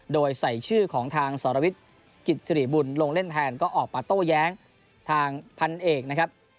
โดยใส่ชื่อของทางสรวิทย์กิจสิริบุญลงเล่นแทนก็ออกมาโต้แย้งทางพันเอกนะครับ